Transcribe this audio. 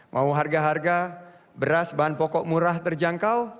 mau harga harga beras bahan pokok murah terjangkau